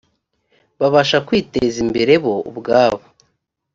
babasha kwiteza imbere bo ubwabo